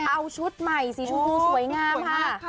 เอาชุดใหม่ชุดสวยงามค่ะ